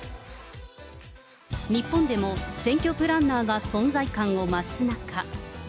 日本でも選挙プランナーが存在感を増す中。